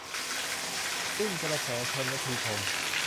สิ้นกระแสชล - นทีทม